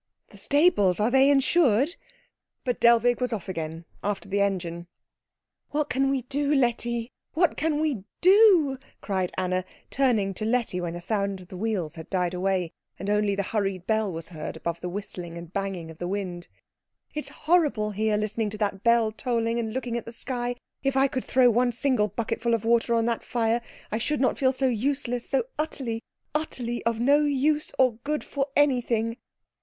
"The stables are they insured?" But Dellwig was off again, after the engine. "What can we do, Letty? What can we do?" cried Anna, turning to Letty when the sound of the wheels had died away and only the hurried bell was heard above the whistling and banging of the wind. "It's horrible here, listening to that bell tolling, and looking at the sky. If I could throw one single bucketful of water on the fire I should not feel so useless, so utterly, utterly of no use or good for anything."